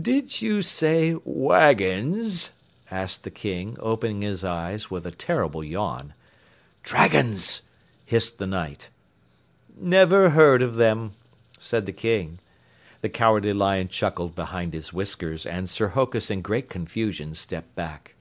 "Did you say wagons?" asked the King, opening his eyes with a terrible yawn. "Dragons!" hissed the Knight. "Never heard of 'em," said the King. The Cowardly Lion chuckled behind his whiskers, and Sir Hokus in great confusion stepped back.